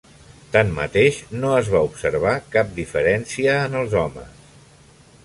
Tanmateix, no es va observar cap diferència en els homes.